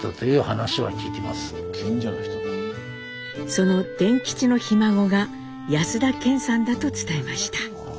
その傳吉のひ孫が安田顕さんだと伝えました。